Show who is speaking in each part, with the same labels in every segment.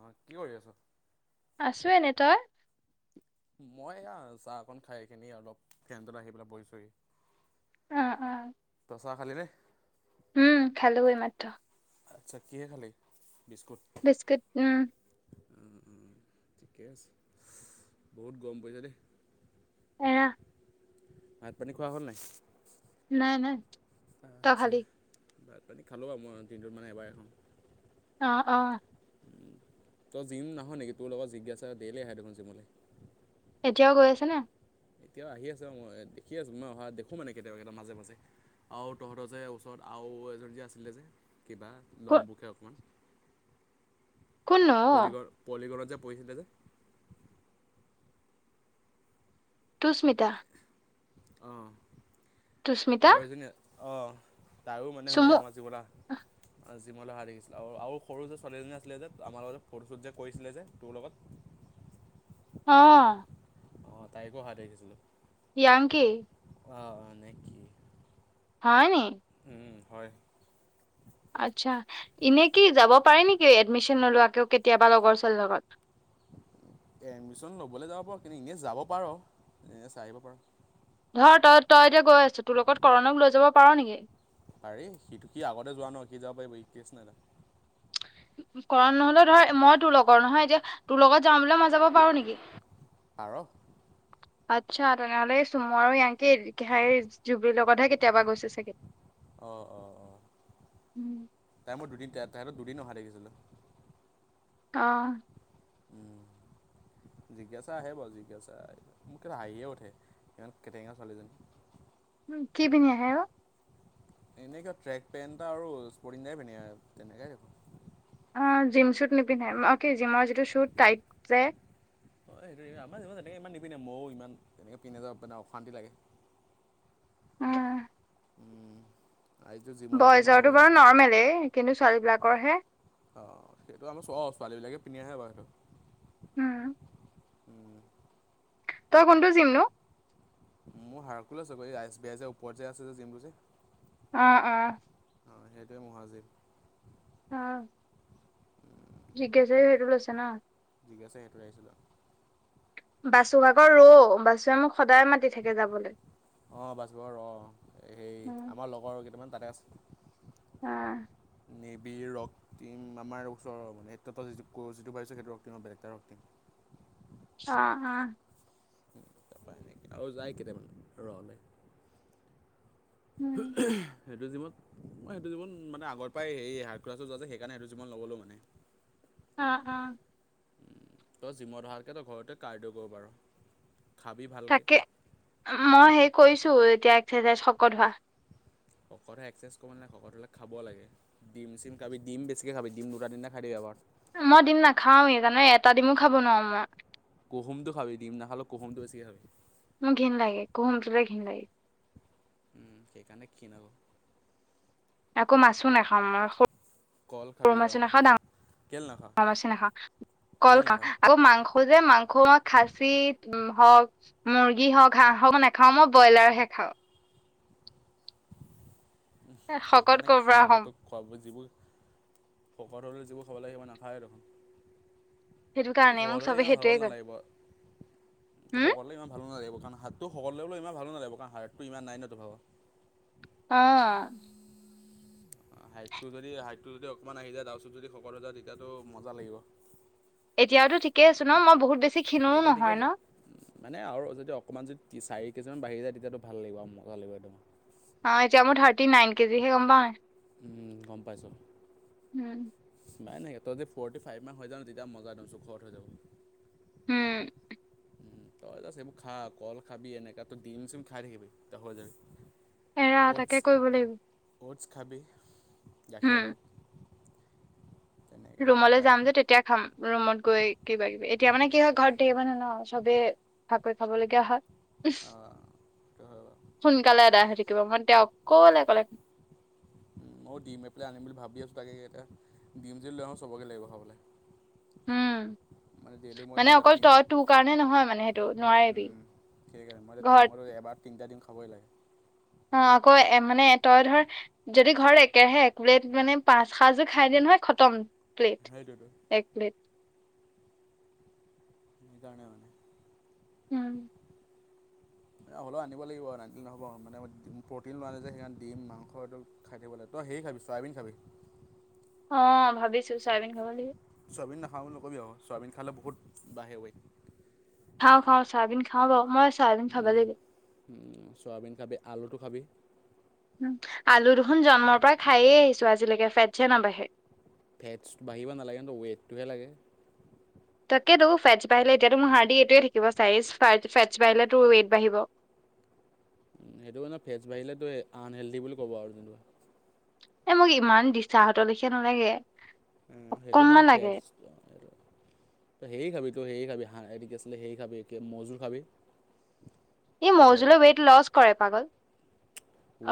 Speaker 1: অ', কি কৰি আছা?
Speaker 2: আছোঁ এনে তই।
Speaker 1: মই এয়া চাহ অকন খাই কেনি অলপ ফেনৰ তলত আহি পেলাই বহিছোঁহি।
Speaker 2: অ', অ',
Speaker 1: চাহ খালী নে?
Speaker 2: উম্, খালো এই মাত্ৰ।
Speaker 1: আচ্ছা, কিহে খালি বিস্কুট।
Speaker 2: বিস্কুট উম্।
Speaker 1: উম্, হয় ব। ঠিকে আছে বহুত গম পাইছা দেই
Speaker 2: এৰা
Speaker 1: ভাত পানী খোৱা হ'ল নাই?
Speaker 2: নাই নাই। তই
Speaker 1: আচ্ছা,
Speaker 2: খালি
Speaker 1: ভাত পানী খালোঁ বাৰু মই দিনটোত মানে এবাৰে খাওঁ।
Speaker 2: অ', অ',
Speaker 1: উম্, তই জিম নাহ নেকি? তোৰ লগৰ জিজ্ঞাছা ডেইলি আহে দেখোন জিমলৈ।
Speaker 2: এতিয়াও গৈ আছে নে।
Speaker 1: এতিয়াও আহি আছে, মই দেখি আছোঁ মই অহা দেখো মানে কেতিয়াবা কেতিয়াবা মাজে মাজে। আৰু তহঁতৰ যে ওচৰত আৰু এজনী যে আছিলে যে। কিবা লম্বুকে অকণমান,
Speaker 2: কোননো
Speaker 1: পলিগৰ পলিকনত যে পঢ়িছিলে যে।
Speaker 2: তুস্মিতা।
Speaker 1: অঁ
Speaker 2: তুস্মিতা
Speaker 1: আৰু এজনী যে অঁ তাইও মানে শুনে
Speaker 2: চুমু
Speaker 1: আমাৰ জীৱা জিমলৈ অহাৰ দেখিছিলোঁ আৰু সৰু যে ছোৱালীজনী আছিলে যে আমাৰ লগত যে ফটোশ্বুট যে কৰিছিলে যে তোৰ লগত
Speaker 2: অ
Speaker 1: অঁ তাইকো আহা দেখিছিলোঁ
Speaker 2: ইংকে
Speaker 1: অ অ নেকি
Speaker 2: হয় নি
Speaker 1: উ হয়
Speaker 2: আচ্ছা এনে কি যাব পাৰে নেকি এডমিশ্যন নলোৱাকৈও কেতিয়াবা লগৰ ছোৱালীৰ লগত
Speaker 1: এডমিশন ল'বলৈ যাব পাৰো কিন্তু ইনে যাব পাৰো এ চাই আহিব পাৰ
Speaker 2: ধৰ তই তই এতিয়া গৈ আছো তোৰ লগত কৰণক লৈ যাব পাৰ নেকি
Speaker 1: পাৰি সিটো কি আগতে যোৱা ন কি যাব পাৰিব ই কেছ নাই দাদা
Speaker 2: কৰা নহলেও ধৰ মই তোৰ লগৰ নহয় এতিয়া তোৰ লগত যাওঁ বুলি মই যাব পাৰো নেকি
Speaker 1: পাৰ
Speaker 2: আচ্ছা তেনেহ'লে চুম আৰু ইকে জুবিৰ লগতহে কেতিয়াবা গৈছে চাগে
Speaker 1: অঁ অঁ অ টাইমত দুদিন টাইমত দুদিন অহা দেখিছিলোঁ
Speaker 2: অ
Speaker 1: উম জিজ্ঞাসা আহে বাৰু জিজ্ঞাসা মোক হাঁহিয়ে উঠে ইমান কেটেঙা ছোৱালীজনী
Speaker 2: কি পিন্ধি আহে অ
Speaker 1: এনেকুৱা ট্ৰেক পেণ্ট আৰু স্পৰ্টিংটায়ে পিন্ধি আহে তেনেকে
Speaker 2: অঁ জিম শ্বুট নিপিন্ধে অ'কে জিমৰ যিটো শ্বুট টাইটজে
Speaker 1: অঁ সেইটো আমাৰ যাব যে তেনেক ইমান নিপিন্ধে ময়ো ইমান তেনেকে পিন্ধি নাযাও মানে অশাস্তি লাগে
Speaker 2: উম
Speaker 1: আজিতো জিমলৈ যোৱা
Speaker 2: বইজৰটো
Speaker 1: নহ'বহে।
Speaker 2: বাৰু নৰ্মলেই কিন্তু ছোৱালীবিলাকৰহে
Speaker 1: অ সেইটো আমি চৰ ছোৱালীবিলাকে পিন্ধি আহে বাৰু সেইটো
Speaker 2: উম।
Speaker 1: উম
Speaker 2: তই কোনটো জিম নো
Speaker 1: মোৰ হাৰকুল আছে বাৰ এই এছ বি আই যে ওপৰত যে আছে যে জিমটো যে
Speaker 2: অ অ
Speaker 1: অ সেইটোৱে মহাজিম
Speaker 2: অ জিগ্ঞছে ভেৰি লছে ন
Speaker 1: ঠিক আছে সেইটোৱ আহিছিলো
Speaker 2: বাচু ভাগৰ ৰৌ বাচুৱে মোক সদায় মাতি থাকে যাবলৈ
Speaker 1: অঁ বাছবৰ অঁ সেই
Speaker 2: উম,
Speaker 1: আমাৰ লগৰ কেইটামান তাতে আছে
Speaker 2: অ
Speaker 1: নেভ ৰক্তিম আমাৰ ওচৰ মানে ত যিটো যিটো ভাবিছে সেইটো ৰক্তিম বেলেগ এটা ৰক্তিম
Speaker 2: অ অা
Speaker 1: তাৰপৰা আৰু যায় কেইটামানে ৰওঁলৈ উ
Speaker 2: উম,
Speaker 1: সেইটো জিমন মইেইটোন মানে আগৰ পৰাই হাৰ্ ক্লাত য যে সেইকাৰণে সেইটো জিমত নগলো মানে
Speaker 2: অ অ
Speaker 1: তই জিমত অহাতকৈ তই ঘৰতে ক কাৰ্ডি' কৰিব পাৰ খাবি ভালকৈ
Speaker 2: তাকে মই সেই কৰিছোঁ এতিয়া এক্সাৰচাইজ শকত হোৱা
Speaker 1: শকতে একসাৰচাইজ কৰিব নালাগে শকত হ'লে খাব লাগে ডিম চিন খাবি দিম বেছিকৈ খাবি দুটা তিনটা খাই থাকিব পাৰ
Speaker 2: মই দিম নাখাওঁ সেইকাৰণে এটা দিমো খাব নোৱাৰোঁ মই
Speaker 1: কুহুমটো খবি দিম নাখালেও কুহুমটো বেছিকে খাবি।
Speaker 2: মোৰ ঘিন লাগে কুহুমটো যে ঘিন লাগে।
Speaker 1: উম, সেইকাৰণে খিন আকৌ।
Speaker 2: আকৌ মাছো নাখাওঁ মই
Speaker 1: কল খাবি অ',
Speaker 2: মই বেচি নখাওঁ কল
Speaker 1: কেলৈ
Speaker 2: খাওঁ
Speaker 1: নাখাৱ
Speaker 2: আকৌ মাংস মোৰ যে মাংস মই খাচি হওক মুৰ্গী যি হক হাঁহ হক নাখাওঁ মই ব্ৰইলাৰহে খাওঁ।
Speaker 1: উম,
Speaker 2: শকত
Speaker 1: সেইকাৰণে
Speaker 2: ক'ৰ পৰা
Speaker 1: ক্ষীণ আকৌ
Speaker 2: হ'ম
Speaker 1: তোক খোৱাবোৰ যিবোৰ, হকত হ'লে যিবোৰ খাব লাগে সেইবোৰ নাখাও এ দেখোন।
Speaker 2: সেইটো
Speaker 1: তোৰ
Speaker 2: কাৰণে মোক
Speaker 1: শকলৈ
Speaker 2: চবে
Speaker 1: ইমান ভালে
Speaker 2: সেইটোয়ে কয়
Speaker 1: নালাগিব, তোক
Speaker 2: হম
Speaker 1: শকট হলে ইমান ভাল নালাগিব কাৰণ হাত তো শকত হলে বোলো ইমান ভাল নালাগিবণ কাৰণ হাৰতটো ইমান নাই ন' তোৰ ভাগৰ। [inaudible]
Speaker 2: অ',
Speaker 1: হাইটটো যদি হাইটটো যদি অকমান আহি যায় তাৰপিছত যদি শকত হৈ যায় তেতিয়াটো মজা লাগিব।
Speaker 2: এতিয়াওটো ঠিকেই আছো ন', মই বহুত বেছি ক্ষিণো
Speaker 1: এতিয়া ঠিকে
Speaker 2: নহয়
Speaker 1: আছে
Speaker 2: ন'?
Speaker 1: মানে আৰু যদি অকণমান যদি চাৰি কেজিমান বাঢ়ি যায় তেতিয়াতোক ভাল লাগিব আৰু মজা লাগিব একদম।
Speaker 2: অ', এতিয়া মোৰ থাৰ্টী নাইন কেজিহে গম পাও নাই?
Speaker 1: উম, গম পাইছোঁ।
Speaker 2: উম,
Speaker 1: নাই নাই তই যদি ফৰটি ফাইভ মান হৈ যাও ন' তেতিয়া মজা একদম জুখত হৈ যাব।
Speaker 2: উম
Speaker 1: উম, তই যাষ্ট এইবোৰ খা কল খাবি এনেকা ত' ডিম চিম খাই থাখিবি ত' হৈ যাবি।
Speaker 2: এৰা
Speaker 1: অ'টছ
Speaker 2: তাকে কৰিব লাগিব
Speaker 1: অ'টছ খাবি গাখীৰৰ
Speaker 2: উম।
Speaker 1: লগত। [inaudible]
Speaker 2: ৰুমলৈ যাম যে তে তেতিয়া খাম ৰুমত গৈ কিবা কিবি এতিয়া মানে কি হয় ঘৰত ধেৰ মানুহ ন' চবে ভাক কৰি খাবলগীয়া হয়।
Speaker 1: অ', সেইটো হয় বাৰু।
Speaker 2: সোনকালে আদায় হৈ থাকিব মই তেওঁ অকলে অকলে
Speaker 1: ময়ো ডিম এ পেলাই আনিম বুলি ভাবি আছোঁ তাকে এতিয়া ডিম যদি লৈ আহোঁ চবকে লাগিব খাবলৈ
Speaker 2: উম,
Speaker 1: মানে ডেইলি মই
Speaker 2: মানে
Speaker 1: দুটা
Speaker 2: অকল
Speaker 1: তিন
Speaker 2: তই তোৰ কাৰণে নহয় মানে সেইটো নোৱাৰিবি
Speaker 1: ঠিক আছে মই
Speaker 2: ঘৰত
Speaker 1: [unintelligible] এবাৰত তিনিটা দিম খাবই লাগে।
Speaker 2: অ', আকৌ এ মানে তই ধৰ যদি ঘৰত একেৰাহে একুউৰেট মানে পাঁচ সাজ খাই দিয়ে নহয় খতম প্লেট,
Speaker 1: সেইটোতো
Speaker 2: এক প্লেট
Speaker 1: সিকাৰনে মানে
Speaker 2: উম
Speaker 1: হ'লেও আনিব লাগিব মানে নহ'ব, মানে প্ৰ'টিন লোৱা নাই যে সেইকাৰণ দিম মাংস এইটো খাই থাকিব লাগে, তই সেৰি খাবি চয়াবিন খাবি
Speaker 2: অ', ভাবিছোঁ চয়াবিন খাব লাগিব
Speaker 1: চয়াবিন নাখাওঁ বুলি নক'বি আৰু চয়াবিন খালে বহুত বাঢ়ে ৱেইট।
Speaker 2: খাওঁ - খাওঁ, চয়াবিন খাওঁ বাৰু মই চয়াবিন খাব লাগিব।
Speaker 1: চয়াবিন খাবি আলুটো খাবি
Speaker 2: আলু দেখোন জন্মৰ পৰা খায়েই আহিছোঁ আজিলৈকে ফেটছ এ নাবাঢ়ে।
Speaker 1: ফেটছ বাঢ়িব নালাগে ন' ৱেটটোহে লাগে।
Speaker 2: তাকেতো ফেটছ বাঢ়িলে এতিয়াতো মোৰ হাৰ্ডি এইটোৱে থাকিব চাইজ ফেটছ বাঢ়িলেতো ৱেইট বাঢ়িব।
Speaker 1: সেইটো কাৰণে ফেটছ বাঢ়িলেতো আনহেল্ডি বুলি ক'ব আৰু যোনটো
Speaker 2: এই মোক ইমান দিচা হঁতৰলেখীয়া নালাগে
Speaker 1: সেইটো
Speaker 2: অকনমান
Speaker 1: নহয় পেটছ
Speaker 2: [inaudible]
Speaker 1: তই সেৰি খাবি, তই সেৰি খাবি, হাঁ এইটো কি আছিলে সেৰি খাবি, মৌ ঝুল খাবি।
Speaker 2: এই
Speaker 1: এ
Speaker 2: মৌজুলে ৱেইট লচ কৰে পাগল।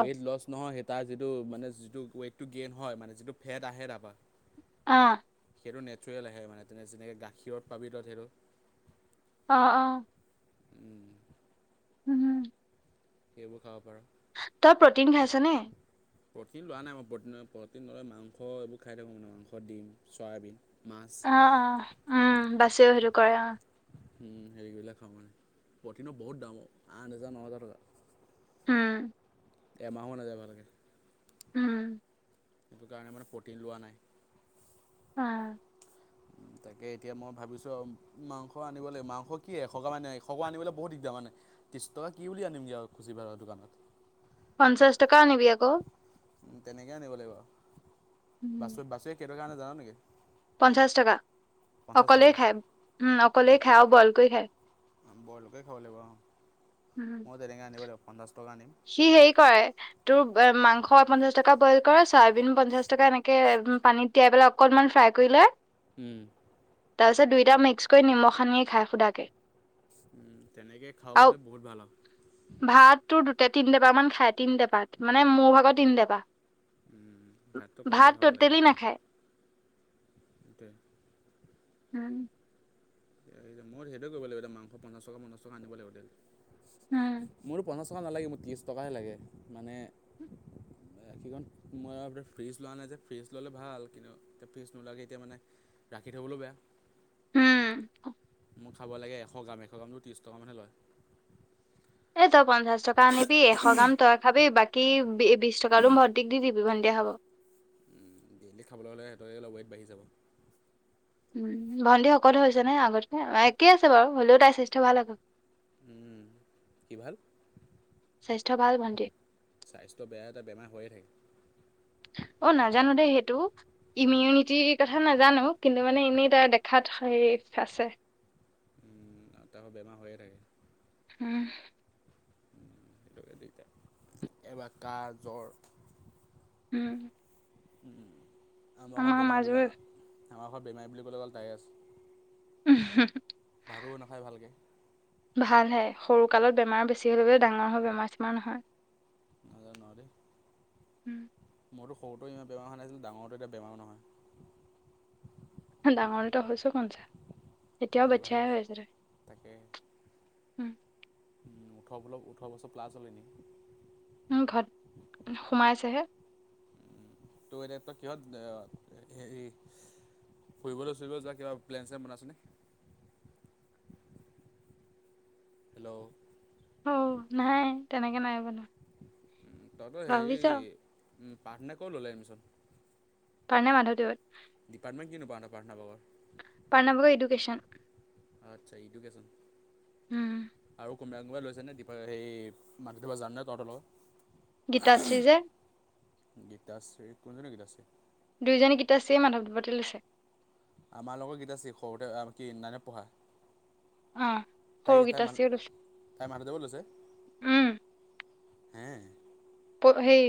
Speaker 2: অ
Speaker 1: লছ নহয় সেই তাৰ যিটো মানে যিটো ৱেইটটো গেইন হয় মানে যিটো ফেট আহে তাৰপৰা
Speaker 2: অ'।
Speaker 1: সেইটো নেচাৰেল আহে মানে তেনে যেনেকৈ গাখীৰত পাবি তই সেইটো
Speaker 2: অ', অ'।
Speaker 1: উম,
Speaker 2: উম, উম।
Speaker 1: সেইবোৰ খাব পাৰ।
Speaker 2: তই প্ৰটিন খাইছ নে?
Speaker 1: প্ৰটিন লোৱা নাই মই প্ৰিন প্ৰটিন নয় মাংস এইবোৰ খাই থাকোঁ মানে মাংস, ডিম, চয়াবিন, মাছ
Speaker 2: অ', অ', বাছেও সেইটো কৰে অ'।
Speaker 1: উ, হেৰিবিলাক খাওঁ মানে প্ৰটিনৰ বহুত দাম আঠ হোজাৰ ন হেজাৰ টকা।
Speaker 2: উম।
Speaker 1: এমাহো নাযায় ভালকে।
Speaker 2: উম।
Speaker 1: সেইটো কাৰণে মানে প্ৰ'টিন লোৱা নাই।
Speaker 2: অ'।
Speaker 1: তাকে এতিয়া মই ভাবিছোঁ মাংস আনিবলৈ মাংস কি এশগ্ৰাম এশগ্ৰাম আনিবলৈ বহুত দিগদাৰ মানে। ত্ৰিছ টকা কি বুলি আনিম গৈ আৰু খুচী বাহঁতৰ দোকানত।
Speaker 2: পঞ্চাশ টকা আনিবি আকৌ।
Speaker 1: তেনেকৈ আনিব লাগিব আৰু, বাছুৱে বাছুৱে কেই টকাৰ আনে জান নেকি?
Speaker 2: পঞ্চাছ টকা।
Speaker 1: পঞ্চাছ
Speaker 2: অকলেই
Speaker 1: টকা
Speaker 2: খায়, অকলেই
Speaker 1: অঁ
Speaker 2: খায় আৰু বইল কৰি খায়।
Speaker 1: বইলকে খাব লাগিব অ'।
Speaker 2: খায়।
Speaker 1: তেনেকৈ আনিব লাগিব পঞ্চাছ টকা আনিম।
Speaker 2: সি হেৰি কৰে তোৰ মাংস পঞ্চাশ টকা বইল কৰ, চয়াবিন পঞ্চাশ টকা এনেকে পানীত তিয়াই পেলাই অকণমান ফ্ৰাই কৰি লৈ
Speaker 1: উম।
Speaker 2: তাৰপিছত দুইটা মিক্স কৰি নিমখ খানিয়ে খাই সুদাকে।
Speaker 1: উম, তেনেকে খাাব
Speaker 2: আৰু
Speaker 1: পাৰিলে বহুত ভাল আৰু।
Speaker 2: ভাত তোৰ দুটে তিন টেপা মান খাই তিনি টেপা মানে মোৰ ভাগৰ তিনটেপা।
Speaker 1: ভাতটো কমকৈ
Speaker 2: ভাত ট'টেলি নাখায়।
Speaker 1: তে
Speaker 2: উম।
Speaker 1: মই সেইটোয়ে কৰিব লাগিব মাংস পঞ্চাশ টকা, পঞ্চশ টকা আনিব লাগিব তে,
Speaker 2: উম
Speaker 1: মোৰো পঞ্চাছ টকা নালাগে মোক ত্ৰিছ টকাহে লাগে মানে একীখন মই ফ্ৰিজ লোৱা নাই যে ফ্ৰিজ ল'লে ভাল কিন্তু এতিয়া ফিজ নোলোৱাকে এতিয়া মানে ৰাখি থ'বলৈও বেয়া।
Speaker 2: উম।
Speaker 1: মই খাব লাগে এশ গাম, এশ গ্ৰামটো ত্ৰিছ টকা মানহে লয়।
Speaker 2: এই তই পঞ্চাশ টকা আনিবি এশ গ্ৰাম তই খাবি বাকী বিশ টকাটো ভণ্টিক দি দিবি ভণ্টিয়ে খাব।
Speaker 1: ডেইলি খাবলৈ হ'লে সিহঁতে অলপ ৱেইট বাঢ়ি যাব।
Speaker 2: ভণ্টি শকত হৈছে নে আগতকৈ? একেই আছে বাৰু, হ'লেও তাইৰ স্বাস্থ্য ভাল আকৌ।
Speaker 1: উম, কি ভাল?
Speaker 2: স্বাস্থ্য ভাল ভণ্টিৰ
Speaker 1: স্বাস্থ্য বেয়া তাইৰ বেমাৰ হৈয়ে থাকে।
Speaker 2: অ', নাজানো দেই সেইটো। ইমিউনিটিৰ কথা নাজানো, কিন্তু মানে এনেই তাৰ দেখাত হে আছে।
Speaker 1: তাৰ আকৌ বেমাৰ হৈয়ে থাকে।
Speaker 2: উম।
Speaker 1: সেইটোৱে দিগদাৰ, এবাৰ কাঁহ, জ্বৰ।
Speaker 2: উম।
Speaker 1: আমাৰ ঘৰত
Speaker 2: আমাৰ মাজৰ
Speaker 1: বেমাৰীবিলাক! আমাৰ ঘৰত বেমাৰী বুলি ক'লে অকল তায়ে আছে।
Speaker 2: উ।
Speaker 1: ভাতো নাখায় ভালক।
Speaker 2: ভালহে সৰুকালত বেমাৰ বেছি হ'লে বোলে ডাঙৰত বেমাৰ চেমাৰ নহয়।
Speaker 1: নাজানো আ দেই।
Speaker 2: উম
Speaker 1: মোৰতো সৰুতেও ইমান বেমাৰ হোৱা নাছিল ডাঙৰটো এতিয়া বেমাৰো নহয়।
Speaker 2: ডাঙৰটো হৈছা কৌনচা এতিয়াও
Speaker 1: সেইটো কথা
Speaker 2: বাটচাই হৈ
Speaker 1: কৈছোঁ
Speaker 2: আছ তই।
Speaker 1: তাকে!
Speaker 2: উম
Speaker 1: উ ওঠৰ ব ওঠৰছৰ প্লাছ হলে নেকি?
Speaker 2: ঘৰত সোমাইছেহে।
Speaker 1: তোৰ এতিয়া তই কিহত হেৰি! ফুৰিবলৈ চুৰিব য কিবা প্লেন চেন বনাইছা নেকি হেল্ল'
Speaker 2: অ নাই তেনেকে নাই তেনেকে নাই
Speaker 1: তহঁতৰ হেৰি পাৰ্থনেকৰ ল'লে এমিচোন
Speaker 2: মাধৱদেৱত
Speaker 1: [unintelligible]
Speaker 2: [unintelligible] এডুকেশ্যন
Speaker 1: আচ্ছা ইডুকেশ্যন
Speaker 2: উম
Speaker 1: আৰু কোনবাই কোনবাই লৈছেনে দী সেই মাতি দেবা জানানে তঁহতৰ লগত
Speaker 2: গীতাশ্ৰী যে
Speaker 1: গীত আছে কোনজনে গীত আছে
Speaker 2: দুইজনী মাধৱদেৱতে লৈছে
Speaker 1: আমাৰ লগৰ গীত আছে সৰুতে [unintelligible] পঢ়া
Speaker 2: অ
Speaker 1: তাই
Speaker 2: সৰু
Speaker 1: তাই মান
Speaker 2: গীতাশ্ৰীও লৈছে
Speaker 1: তাই মাধৱদেৱৰ লৈছে
Speaker 2: উম
Speaker 1: হে
Speaker 2: প সেই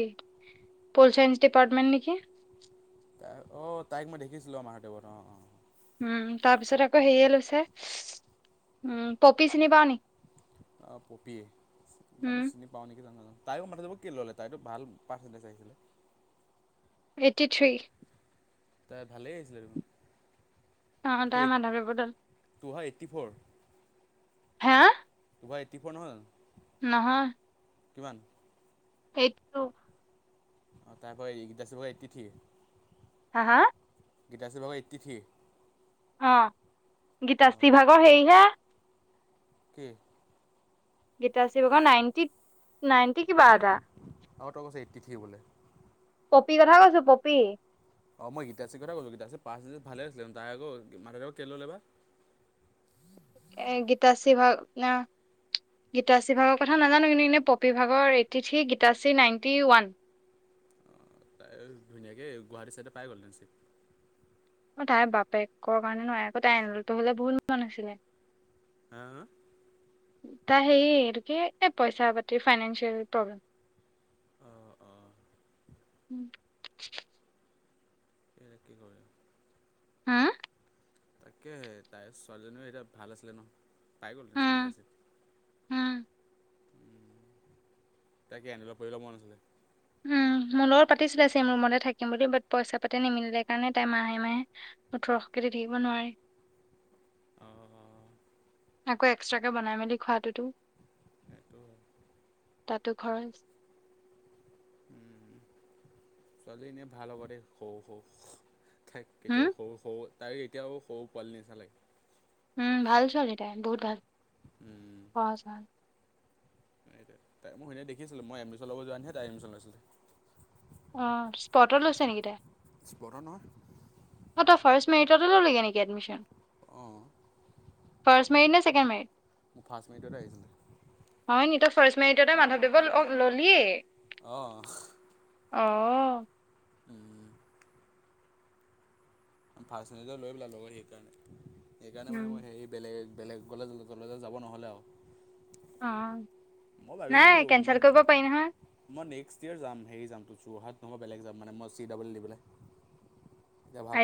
Speaker 2: পল চাইন্স ডিপাৰ্টমেণ্ট নেকি
Speaker 1: তাই অঁ তাইক মই দেখিছিলোঁ আমাৰ টেবত অঁ অঁ
Speaker 2: তাৰপিছত আকৌ হেৰিয়ে লৈছে পপি চিনি পাওঁ নেকি
Speaker 1: পপি [unintelligible]
Speaker 2: উম
Speaker 1: বাওঁ নেকি নাজান তাইয়ো মাতিব কি ল'লে তাইতো ভাল পাৰ্চেন্টেজ আহিছিলে
Speaker 2: এইটি থ্ৰী
Speaker 1: তাই ভালেই আহিছিলে
Speaker 2: অ তাই মাধৱদেৱৰ বদল
Speaker 1: টোহা এইট্টি ফ'ৰ
Speaker 2: হা
Speaker 1: টু এইট্টি ফোৰ নহয় জানো
Speaker 2: নহয়
Speaker 1: কিমান
Speaker 2: সেইটোক
Speaker 1: অঁ তাৰ পৰা [unintelligible] এইট্টি থ্ৰী
Speaker 2: হা হা
Speaker 1: গীতাশ্ৰী বাবু এইট্টি থ্ৰী
Speaker 2: অঁ
Speaker 1: অঁ
Speaker 2: গীতাশ্ৰীভাগৰ হেৰিহে
Speaker 1: কে
Speaker 2: গীতাশ্ৰি ভাগৰ নাইনটি নাইনটি কিবা এটা
Speaker 1: আৰু ত কৈছে এইট্টি থ্ৰী বোলে
Speaker 2: পপি কথা কৈছো পপী
Speaker 1: অঁ মই গীতাশ্ৰীৰ কথা কৈছোঁ গীাাৰী পাছ যে ভালে আছিলে তাই আক মা দেউক কেলৈ ল'লে বা
Speaker 2: গীতাশ্ৰী ভাগ না গীতাশ্ৰী ভাগৰ কথা নাজানো কিন্তু এনেই পপী ভাগৰ eighty three Gitashree ninety one.
Speaker 1: ধুনীয়াকৈ গুৱাহাটী ছাইডে পায় গ'ল ছিট।
Speaker 2: অ', তাইৰ বাপেকৰ কাৰণে নহয় আকৌ তাই এনতো হলে বহুত মন আছিলে।
Speaker 1: হা হা।
Speaker 2: তাই হেৰি হটো কি এই পইচা পাতি ফাইনেন্সিয়েল প্ৰব্লেম।
Speaker 1: অঁ অঁ
Speaker 2: উম।
Speaker 1: [unintelligible]
Speaker 2: হা
Speaker 1: তাকেহে তাইৰ ছোৱালীজনীও এতিয়া ভাল আছিলে ন পাই গ'ল হয় ধুনীয়াকে চিট।
Speaker 2: উম।
Speaker 1: তাকে [unintelligible] পৰিল মন নাছিলে।
Speaker 2: মোৰ লগত পাতিছিলে চেম ৰুমতে থাকিম বুলি বাট পইচা পাতি নিমিলে কাৰণে তাই মাহে মাহে ওঠৰছ পাটি থাকিব নোৱাৰি।
Speaker 1: অ, অ'।
Speaker 2: আকৌ এক্সট্ৰাকৈ বনাই মেলি খোৱাটোতো
Speaker 1: সেইটো
Speaker 2: তাতো খৰচ
Speaker 1: উ, ছোৱালী এনে ভাল হ'ব দে হ শ ঠাইক কেতিয়াও
Speaker 2: হম
Speaker 1: সৰু সৰু তাই এতিয়াও সৰু পোৱালি নিচা লাগে।
Speaker 2: উম, ভাল ছোৱালী তাই বহুত ভাল
Speaker 1: উম।
Speaker 2: পচ
Speaker 1: এতিয়া তাই মই সেইনে দেখিছিলোঁ মই এডমিশ্যন ল'ব যোৱা নাইহে তাই এডমিশ্যন লৈছিলে।
Speaker 2: অ', স্পটত লৈছে নেকি তাই
Speaker 1: স্মৰণৰ
Speaker 2: অ', ফাৰ্ষ্ট মেৰিটতে ল'গে নেকি এডমিচন।
Speaker 1: অঁ
Speaker 2: ফাৰ্ষ্ট মেৰিড নে চেকেণ্ড মেৰিড।
Speaker 1: মোৰ ফাৰ্ষ্ট মিনিটতে আহিছিলে
Speaker 2: হয়, নিতক ফাৰ্ষ্ট মেৰিটতে মাধৱদেৱ লগ ল'লিয়ে।
Speaker 1: অ'।
Speaker 2: অ'।
Speaker 1: উম। ফাৰ্ষ্ট লৈ পেলাই ললো সেইকাৰণে সেইকাৰণে মানে
Speaker 2: উম
Speaker 1: মই হেৰি বেলেগ বেলেগ গলে কলেজ যাব নহ'লে আৰু
Speaker 2: অ
Speaker 1: মই
Speaker 2: নাই
Speaker 1: ভাবিছিলোঁ ম
Speaker 2: কেনচেল কৰিব পাৰি নহয়
Speaker 1: মই নেক্সট ইয়েৰ যাম হেৰি যাম তো যোৰহাট নহয় বেলেগ যামানেই চি ডাবল দি পেলাই। এতিয়াা ভাল।
Speaker 2: আই